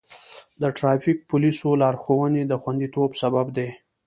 د ټرافیک پولیسو لارښوونې د خوندیتوب سبب دی.